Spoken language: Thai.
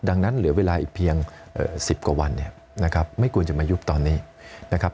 ดังนั้นเหลือเวลาอีกเพียง๑๐กว่าวันเนี่ยนะครับไม่ควรจะมายุบตอนนี้นะครับ